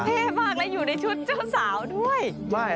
เท่มากและอยู่ในชุดเจ้าสาวด้วย